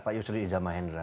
pak yusri izzah mahendra